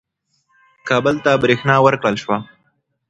کابل ته برېښنا ورکړل شوه.